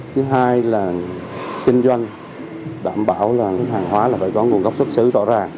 thứ hai là kinh doanh đảm bảo hàng hóa phải có nguồn gốc xuất xứ rõ ràng